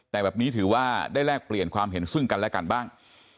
แต่แบบนี้ถือว่าได้แลกเปลี่ยนความเห็นซึ่งกันและกันบ้าง